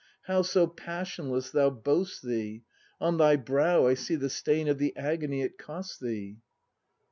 How so passionless thou boast thee! On thy brow I see the stain Of the agony it cost thee!